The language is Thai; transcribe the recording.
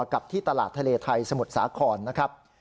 กับที่ตลาดทะเลไทยสมุทรสาครนะครับ